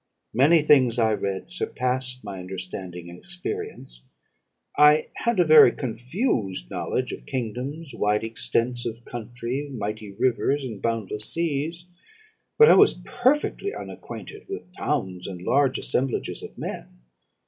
Many things I read surpassed my understanding and experience. I had a very confused knowledge of kingdoms, wide extents of country, mighty rivers, and boundless seas. But I was perfectly unacquainted with towns, and large assemblages of men.